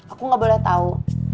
aku gak boleh tahu